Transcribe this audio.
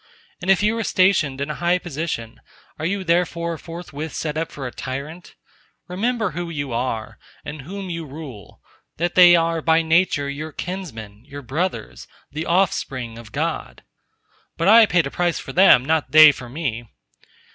And if you are stationed in a high position, are you therefor forthwith set up for a tyrant? Remember who you are, and whom you rule, that they are by nature your kinsmen, your brothers, the offspring of God. "But I paid a price for them, not they for me."